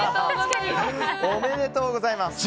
おめでとうございます。